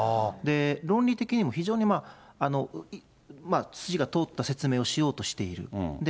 論理的にも非常に筋が通った説明をしようとしている。